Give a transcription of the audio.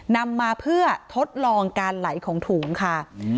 นำมาเพื่อทดลองการไหลของถุงค่ะ